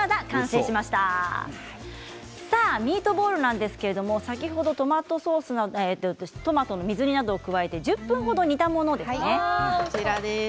ミートボールですが先ほどトマトの水煮などを加えて１０分程、煮たものです。